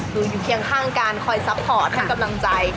อยู่เคียงข้างกันคอยซัพพอร์ตให้กำลังใจ